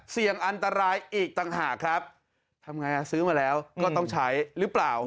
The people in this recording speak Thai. เสี่ยงอันตรายอีกต่างหากครับทำไงซื้อมาแล้วก็ต้องใช้หรือเปล่า